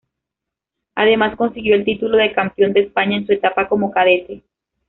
Además, consiguió el título de campeón de España en su etapa como cadete.